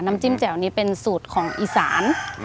จิ้มแจ่วนี้เป็นสูตรของอีสาน